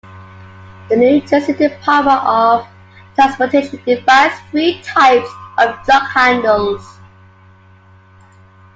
The New Jersey Department of Transportation defines three types of jughandles.